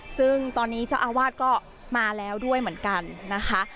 ซึ่งตอนนี้เจ้าอาวาสก็มาแล้วด้วยเหมือนกันนะคะ